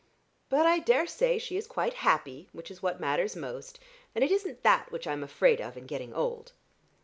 But I daresay she is quite happy, which is what matters most, and it isn't that which I'm afraid of in getting old!"